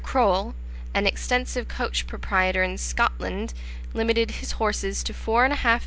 Croall, an extensive coach proprietor in Scotland, limited his horses to 4 1/2 lbs.